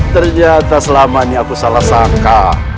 ternyata selama ini aku salah sangka